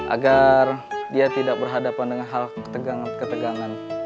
agar dia tidak berhadapan dengan hal ketegangan ketegangan